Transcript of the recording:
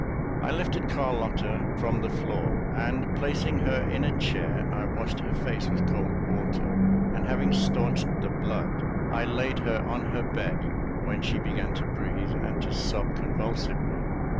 I lifted Carlotta from the floor, and, placing her in a chair, I washed her face with cold water; and having staunched the blood, I laid her on her bed, when she began to breathe and to sob convulsively.